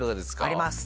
あります。